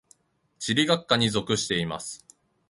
地理学科に属しています。